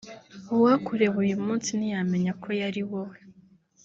uwakureba uyu munsi ntiyamenya ko yari wowe